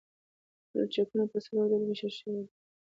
پلچکونه په څلورو ډولونو ویشل شوي دي